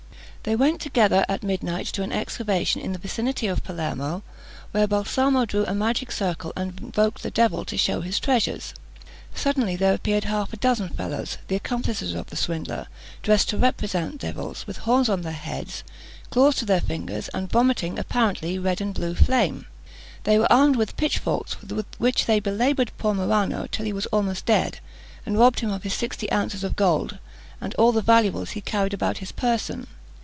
They went together at midnight to an excavation in the vicinity of Palermo, where Balsamo drew a magic circle, and invoked the devil to shew his treasures. Suddenly there appeared half a dozen fellows, the accomplices of the swindler, dressed to represent devils, with horns on their heads, claws to their fingers, and vomiting apparently red and blue flame. They were armed with pitchforks, with which they belaboured poor Marano till he was almost dead, and robbed him of his sixty ounces of gold and all the valuables he carried about his person.